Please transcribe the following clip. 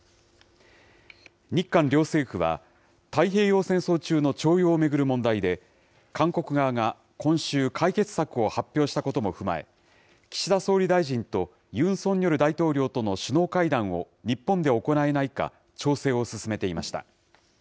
日韓両政府は、太平洋戦争中の徴用を巡る問題で、韓国側が今週、解決策を発表したことも踏まえ、岸田総理大臣とユン・ソンニョル大統領との首脳会談を日本で行えないか、調整を進めていました。